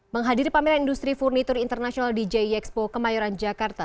menghadiri pameran industri furnitur internasional di jxpo kemayoran jakarta